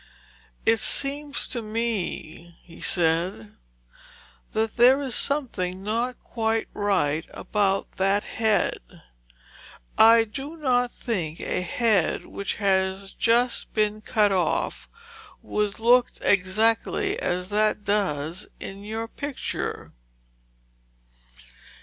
'It seems to me,' he said, 'that there is something not quite right about that head. I do not think a head which had just been cut off would look exactly as that does in your picture.'